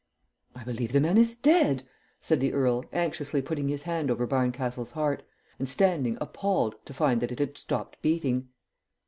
"I believe the man is dead!" said the earl, anxiously putting his hand over Barncastle's heart, and standing appalled to find that it had stopped beating.